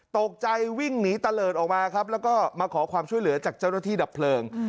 ตกใจวิ่งหนีตะเลิศออกมาครับแล้วก็มาขอความช่วยเหลือจากเจ้าหน้าที่ดับเพลิง